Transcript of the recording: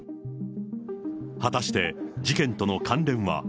果たして事件との関連は。